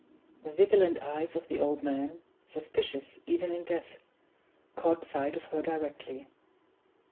The vigilant eyes of the old man suspicious even in death caught sight of her directly.